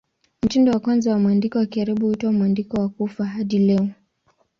Mtindo wa kwanza wa mwandiko wa Kiarabu huitwa "Mwandiko wa Kufa" hadi leo.